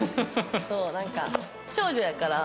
なんか長女やから。